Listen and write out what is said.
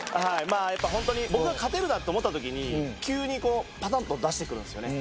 まあやっぱ本当に僕が勝てるなと思った時に急にこうパタンと出してくるんですよね。